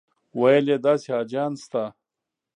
ویل یې داسې حاجیان شته.